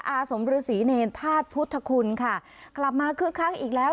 อาสมฤษีเนรธาตุพุทธคุณค่ะกลับมาคึกคักอีกแล้ว